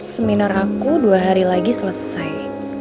seminar aku dua hari lagi selesai